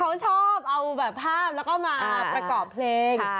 เขาชอบเอาแบบภาพแล้วก็มาประกอบเพลง